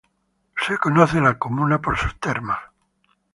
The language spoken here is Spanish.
La comuna es conocida por sus termas.